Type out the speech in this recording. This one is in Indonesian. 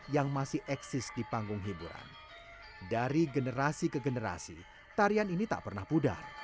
yang menarik itu